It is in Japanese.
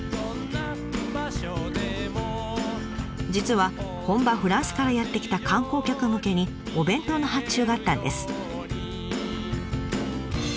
実は本場フランスからやって来た観光客向けにお弁当の発注があったんです。